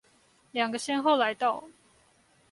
兩個先後來到